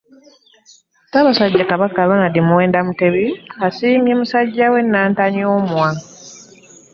Ssaabassajja Kabaka, Ronald Muwenda Mutebi asiimye musajja we nnantanyoomwa.